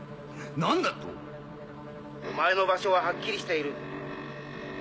何だと⁉お前の場所ははっきりしている。